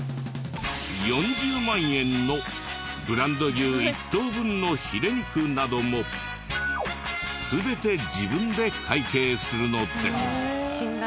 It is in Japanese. ４０万円のブランド牛一頭分のヒレ肉なども全て自分で会計するのです。